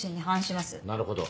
なるほど。